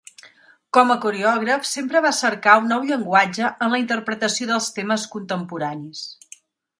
Com a coreògraf sempre va cercar un nou llenguatge en la interpretació dels temes contemporanis.